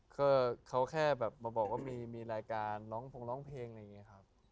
ก็เขาแค่แบบมาบอกว่ามีรายการร้องพงร้องเพลงอะไรอย่างนี้ครับ